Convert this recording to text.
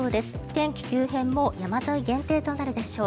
天気急変も山沿い限定となるでしょう。